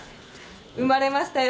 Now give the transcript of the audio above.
生まれましたよ。